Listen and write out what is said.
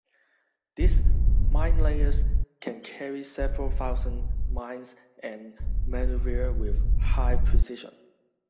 These minelayers can carry several thousand mines and manoeuvre with high precision.